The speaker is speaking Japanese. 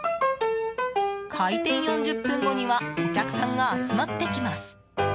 開店４０分後にはお客さんが集まってきます。